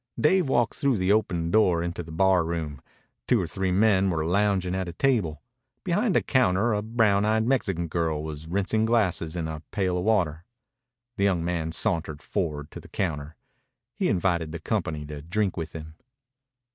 Dave walked through the open door into the bar room. Two or three men were lounging at a table. Behind a counter a brown eyed Mexican girl was rinsing glasses in a pail of water. The young man sauntered forward to the counter. He invited the company to drink with him.